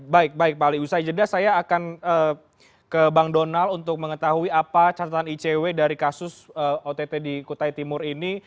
baik baik pak ali usai jeda saya akan ke bang donal untuk mengetahui apa catatan icw dari kasus ott di kutai timur ini